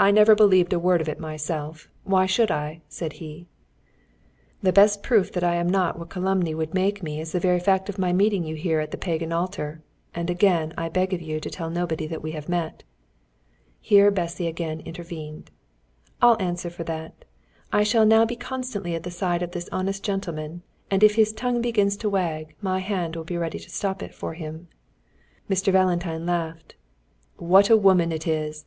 I never believed a word of it myself why should I?" said he. "The best proof that I am not what calumny would make me is the fact of my meeting you here at the Pagan Altar; and again I beg of you to tell nobody that we have met." Here Bessy again intervened. "I'll answer for that. I shall now be constantly at the side of this honest gentleman, and if his tongue begins to wag, my hand will be ready to stop it for him." Mr. Valentine laughed. "What a woman it is!